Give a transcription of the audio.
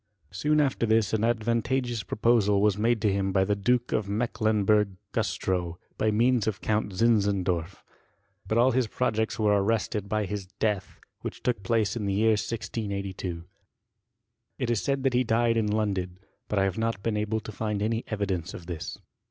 Soon after this an advantageous proposal was made to him by the Duke of Mecklen burg Gustrow, by means of Count Zinzendorf ; \^>x\. ^ I I S48 HISTORY OF his projects were arrested by his death, vfaich took place in the year 16S2. It is said that he died in London, but 1 have not been able to find any evidence of this.